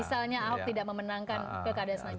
misalnya ahok tidak memenangkan ke kd senanggit